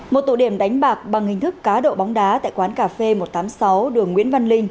một tụ điểm đánh bạc bằng hình thức cá độ bóng đá tại quán cà phê một trăm tám mươi sáu đường nguyễn văn linh